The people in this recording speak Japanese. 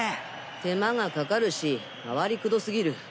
手間がかかるし回りくどすぎる。